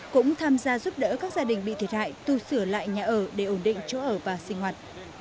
cũng tham gia giúp đỡ các gia đình bị thiệt hại tu sửa lại nhà ở để ổn định chỗ ở và sinh hoạt